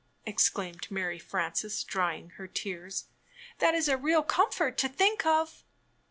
exclaimed Mary Frances, drying her tears. "That is a real comfort to think of."